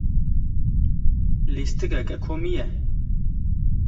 Lîstikeke komî ye.